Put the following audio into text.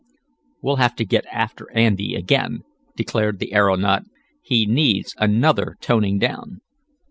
"We'll have to get after Andy again," declared the aeronaut. "He needs another toning down."